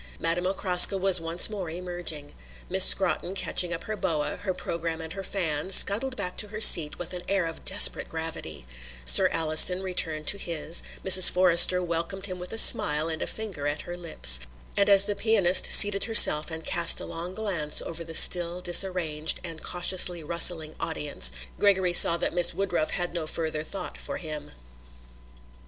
Madame Okraska was once more emerging. Miss Scrotton, catching up her boa, her programme and her fan, scuttled back to her seat with an air of desperate gravity; Sir Alliston returned to his; Mrs. Forrester welcomed him with a smile and a finger at her lips; and as the pianist seated herself and cast a long glance over the still disarranged and cautiously rustling audience, Gregory saw that Miss Woodruff had no further thought for him.